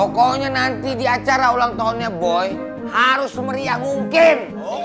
pokoknya nanti di acara ulang tahunnya boy harus semeriah mungkin